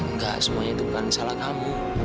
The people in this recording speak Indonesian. enggak semuanya itu bukan salah kamu